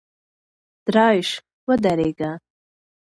درایش ودرېږه !!